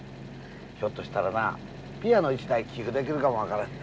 ひょっとしたらなピアノ１台寄付できるかも分からん。